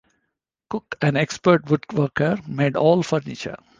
Cook, an expert woodworker, made all furniture.